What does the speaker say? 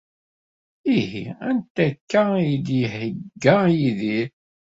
Ihi anta akka i d-iheyya Yidir?